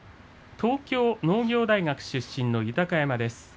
東京農業大学出身の豊山です。